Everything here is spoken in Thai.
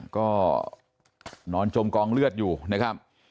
ก็นอนจมกองเลือดอยู่นะครับ